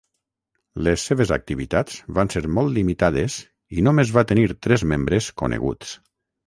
Les seves activitats van ser molt limitades i només va tenir tres membres coneguts.